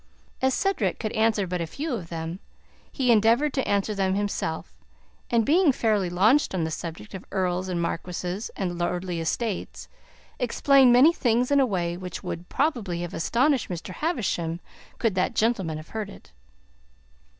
As Cedric could answer but few of them, he endeavored to answer them himself, and, being fairly launched on the subject of earls and marquises and lordly estates, explained many things in a way which would probably have astonished Mr. Havisham, could that gentleman have heard it.